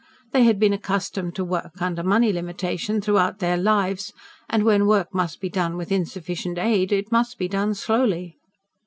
They had been accustomed to work under money limitation throughout their lives, and, when work must be done with insufficient aid, it must be done slowly.